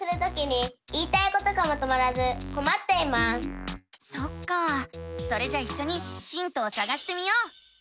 わたしはそっかあそれじゃあいっしょにヒントをさがしてみよう！